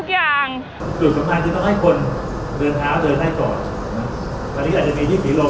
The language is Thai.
เจ้าตายแล้ว